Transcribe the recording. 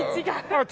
あっ！